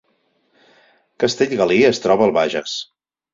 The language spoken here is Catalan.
Castellgalí es troba al Bages